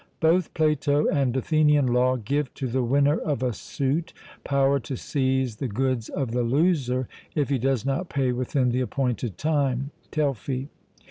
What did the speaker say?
Both Plato and Athenian law give to the winner of a suit power to seize the goods of the loser, if he does not pay within the appointed time (Telfy).